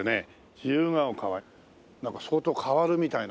自由が丘はなんか相当変わるみたいな。